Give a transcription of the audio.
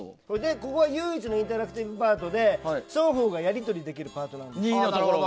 ここが唯一のインタラクティブパートで双方がやり取りできるパートなんです。